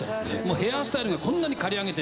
ヘアースタイルがこんなに刈り上げて。